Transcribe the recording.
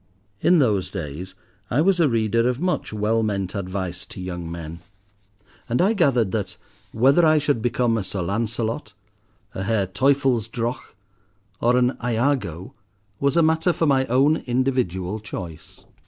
In those days I was a reader of much well meant advice to young men, and I gathered that, whether I should become a Sir Lancelot, a Herr Teufelsdrockh, or an Iago was a matter for my own individual choice.